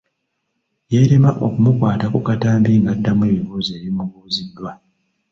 Yeerema okumukwata ku katambi ng’addamu ebibuuzo ebimubuuziddwa.